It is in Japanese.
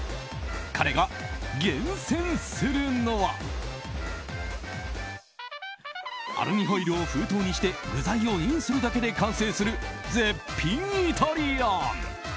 彼が厳選するのはアルミホイルを封筒にして具材をインするだけで完成する絶品イタリアン。